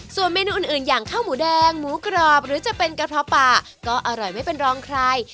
ส่วนเมนูอื่นอย่างข้าวหมูแดงหมูกรอบหรือจะเป็นกระท้อปลาก็อร่อยไม่เป็นรองใคร